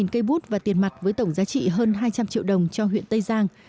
một cây bút và tiền mặt với tổng giá trị hơn hai trăm linh triệu đồng cho huyện tây giang